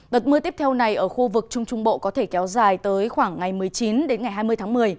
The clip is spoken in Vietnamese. đợt mưa tiếp theo này ở khu vực trung trung bộ có thể kéo dài tới khoảng ngày một mươi chín đến ngày hai mươi tháng một mươi